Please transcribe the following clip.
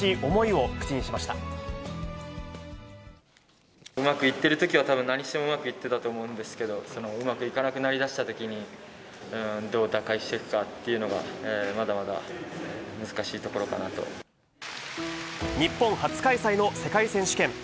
うまくいってるときはたぶん、何してもうまくいってたと思うんですけど、うまくいかなくなり出したときにどう打開していくかっていうのが、日本初開催の世界選手権。